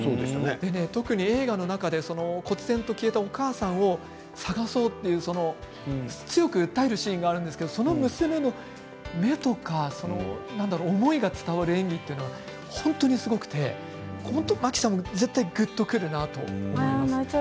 映画の中でこつ然と消えたお母さんを捜そうと強く訴えるシーンがあるんですけれどもその娘の目とか思いが伝わる演技というのが本当にすごくて真木さんもぐっとくると思います。